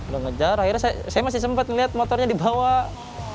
ngejar akhirnya saya masih sempat melihat motornya di bawah